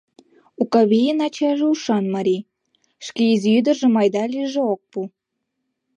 Окавийын ачаже ушан марий: шке изи ӱдыржым айда-лийже ок пу.